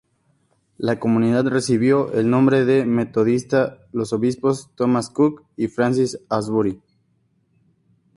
La comunidad recibió el nombre de metodista los obispos Thomas Coke y Francis Asbury.